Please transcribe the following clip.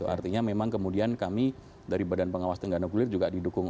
artinya memang kemudian kami dari badan pengawas tenggara kulir juga didukung